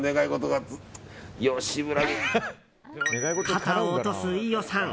肩を落とす飯尾さん。